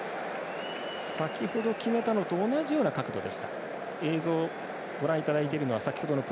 先ほど決めたのと同じような角度でした。